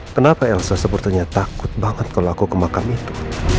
kenapa elsa sebetulnya takut banget kalau aku ke makam itu